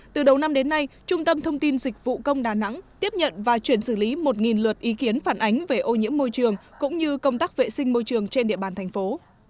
từ đầu năm đến nay trung tâm thông tin dịch vụ công đà nẵng tiếp nhận và chuyển xử lý một luật ý kiến phản ánh về ô nhiễm môi trường cũng như công tác vệ sinh môi trường trên địa bàn thành phố